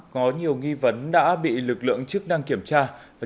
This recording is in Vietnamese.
có nhiều nghi vấn đã bị lực lượng chức năng kiểm tra